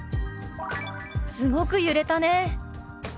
「すごく揺れたね」。